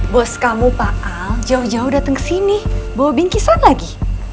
bos kamu pak al jauh jauh dateng kesini bawa bingkisan lagi